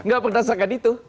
gak berdasarkan itu